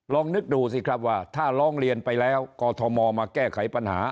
ลองนึกดูสิครับว่าถ้าร้องเรียนไปแล้วกอทมมาแก้ไขปัญหา